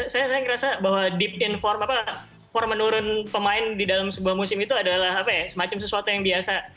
saya merasa bahwa deep in form apa form menurun pemain di dalam sebuah musim itu adalah semacam sesuatu yang biasa